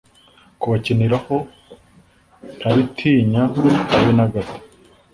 Kubakiniraho ntabitinya habe nagato